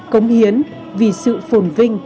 cống hiến vì sự phồn vinh